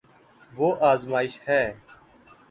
وہ ازماش ہے